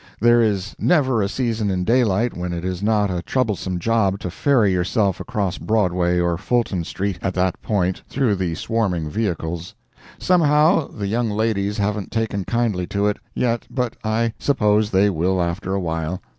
There is never a season in daylight when it is not a troublesome job to ferry yourself across Broadway or Fulton street, at that point, through the swarming vehicles. Somehow, the young ladies haven't taken kindly to it, yet, but I suppose they will after a while.